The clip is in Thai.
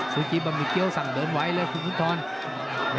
ซูชิบามีแกียวสั่งเดินไว้เลยคุณพลุทธรรม